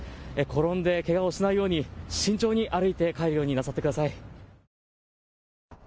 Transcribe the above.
転んでけがをしないように慎重に歩いて帰るようになさってください。